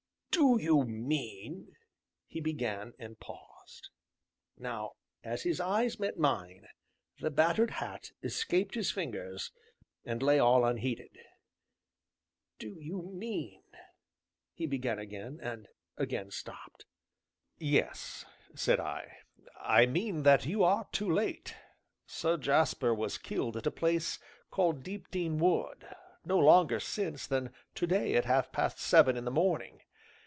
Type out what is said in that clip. "Do you mean " he began, and paused. Now, as his eyes met mine, the battered hat escaped his fingers, and lay all unheeded. "Do you mean " he began again, and again stopped. "Yes," said I, "I mean that you are too late. Sir Jasper was killed at a place called Deepdene Wood, no longer since than to day at half past seven in the morning.